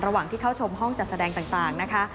ระหว่างที่เข้าชมห้องจัดแสดงต่างนะคะ